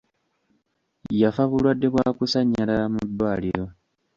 Yafa bulwadde bwa kusannyalala mu ddwaliro.